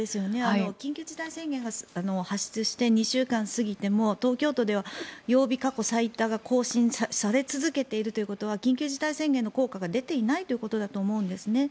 緊急事態宣言を発出して２週間過ぎても東京都では曜日過去最多が更新され続けているということは緊急事態宣言の効果が出ていないということだと思うんですね。